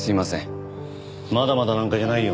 まだまだなんかじゃないよ。